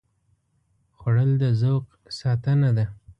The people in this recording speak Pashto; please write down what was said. خوړل د ذوق ساتنه ده